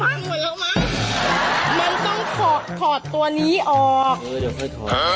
มันต้องถอดตัวนี้ออก